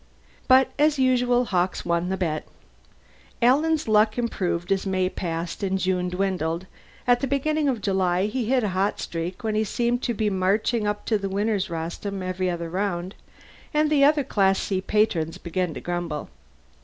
But, as usual, Hawkes won the bet. Alan's luck improved as May passed and June dwindled; at the beginning of July he hit a hot streak when he seemed to be marching up to the winner's rostrum every other round, and the other Class C patrons began to grumble.